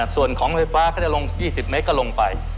ส่วนของไฟฟ้าเขาจะลง๒๐เมตรก็ลงไป